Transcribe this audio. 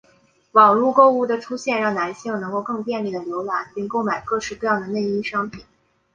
网路购物的出现让男性能够更便利地浏览并购买各式各样的内衣商品。